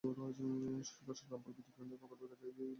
সরকার রামপাল বিদ্যুৎকেন্দ্র প্রকল্পের কাজ এগিয়ে নিলেও এর গতি ছিল ধীর।